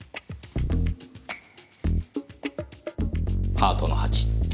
ハートの８。